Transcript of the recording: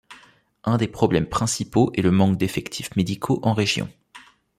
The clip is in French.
Un des problèmes principaux est le manque d'effectifs médicaux en région.